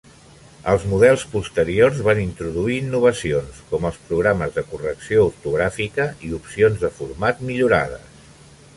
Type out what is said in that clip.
Els models posteriors van introduir innovacions, com els programes de correcció ortogràfica i opcions de format millorades.